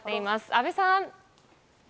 阿部さん！